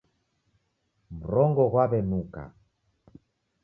Mrongo ghwaw'enuka